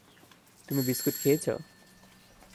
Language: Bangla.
তুমি বিস্কুট খেয়েছ?